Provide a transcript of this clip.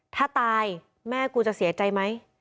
ถ้าตายแม่กูจะเสียใจไหม